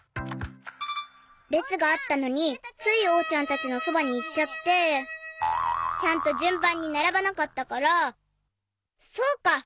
れつがあったのについおうちゃんたちのそばにいっちゃってちゃんとじゅんばんにならばなかったからそうか！